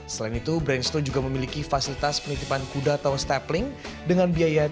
selain itu branch toe juga memiliki fasilitas penitipan kuda atau stapling dengan biaya tujuh juta rupiah